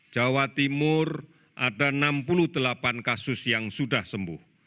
jawa timur ada enam puluh delapan kasus yang sudah sembuh